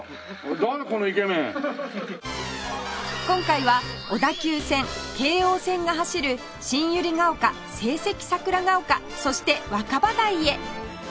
今回は小田急線京王線が走る新百合ヶ丘聖蹟桜ヶ丘そして若葉台へ